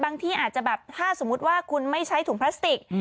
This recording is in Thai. ที่อาจจะแบบถ้าสมมุติว่าคุณไม่ใช้ถุงพลาสติก